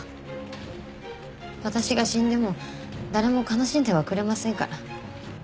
私が死んでも誰も悲しんではくれませんから。